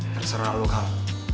terserah lo kal